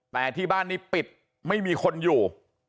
แต่ที่บ้านนี้ปิดไม่มีคนอยู่